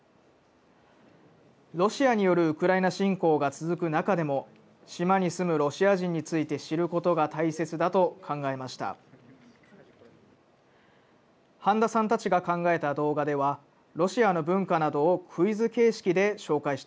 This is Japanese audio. ロシアによるウクライナ侵攻が続く中でも、島に住むロシア人について知ることが大切だと考えました。